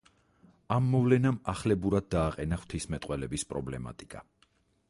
ამ მოვლენამ ახლებურად დააყენა ღვთისმეტყველების პრობლემატიკა.